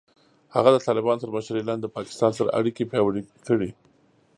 هغه د طالبانو تر مشرۍ لاندې د پاکستان سره اړیکې پیاوړې کړې.